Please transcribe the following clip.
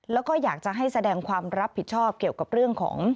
แล้วก็อยากจะให้แสดงความรับผิดชอบเกี่ยวกับเรื่องของ